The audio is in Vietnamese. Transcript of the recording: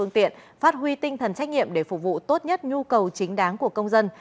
tiện phát huy tinh thần trách nhiệm để phục vụ tốt nhất nhu cầu chính đáng của công dân